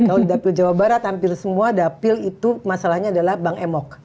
kalau di dapil jawa barat tampil semua dapil itu masalahnya adalah bank emok